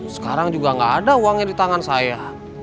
sekarang juga nggak ada uangnya di tangan saya